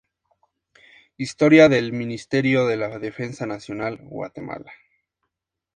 Historia del Ministerio de la defensa nacional, Guatemala